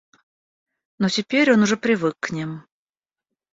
Но теперь он уже привык к ним.